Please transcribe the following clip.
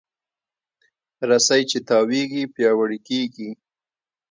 رسۍ چې تاوېږي، پیاوړې کېږي.